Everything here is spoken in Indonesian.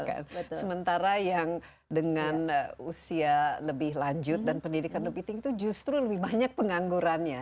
karena ada juga yang dengan usia lebih lanjut dan pendidikan lebih tinggi itu justru lebih banyak penganggurannya